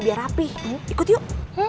biar rapih ikut yuk